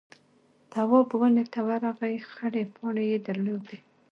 تواب ونې ته ورغئ خړې پاڼې يې درلودې.